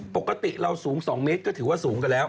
ปกติเราสูง๒เมตรก็ถือว่าสูงกันแล้ว